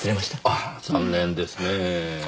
あー残念ですねぇ。